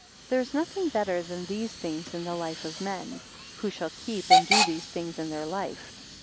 9 There is nothing better than these things in the life of men; who shall keep and do these things in their life.